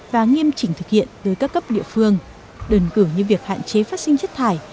và nghiêm chỉnh thực hiện tới các cấp địa phương đơn cử như việc hạn chế phát sinh chất thải